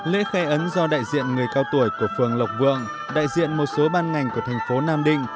lễ khai ấn do đại diện người cao tuổi của phường lộc vượng đại diện một số ban ngành của thành phố nam định